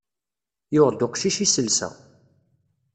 Yuɣ-d uqcic iselsa.